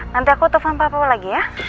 nanti aku telepon papa lagi ya